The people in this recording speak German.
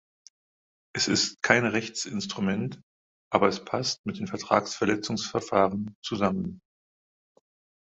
Es ist kein Rechtsinstrument, aber es passt mit den Vertragsverletzungsverfahren zusammen.